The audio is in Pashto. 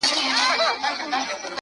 چي زړېږم مخ مي ولي د دعا پر لوري سم سي!.